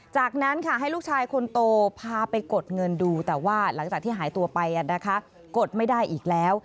จากนั้นค่ะให้ลูกชายคนโตพาไปกดเงินดูแต่ว่าหลังจากที่หายตัวไปกดไม่ได้อีกแล้ว